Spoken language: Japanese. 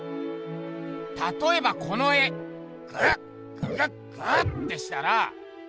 たとえばこの絵グッググッグッてしたら。